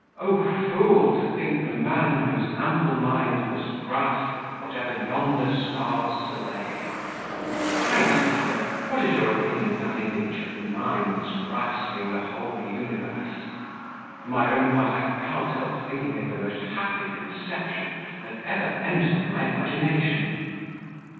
'O fool! to think the man, whose ample mind must grasp whatever yonder stars survey' Pray, Mr. Pellet, what is your opinion of that image of the mind's grasping the whole universe? For my own part, I can't help thinking it the most happy conception that ever entered my imagination."